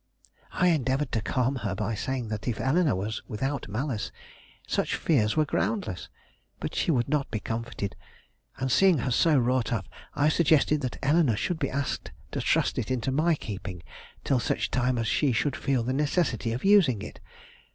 I endeavored to calm her by saying that if Eleanore was without malice, such fears were groundless. But she would not be comforted, and seeing her so wrought up, I suggested that Eleanore should be asked to trust it into my keeping till such time as she should feel the necessity of using it.